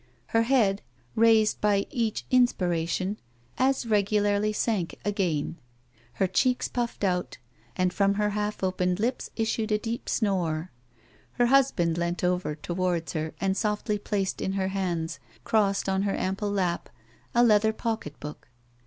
Her head, raised by each inspiration, as regularly sank again ; her cheeks puffed out, and from her half opened lips issued a deep snore. Her husband leant over towards her and softly placed in her hands, crossed on her ample lap, a leather pocket book.